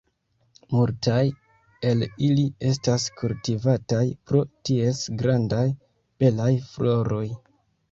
Multaj el ili estas kultivataj pro ties grandaj, belaj floroj.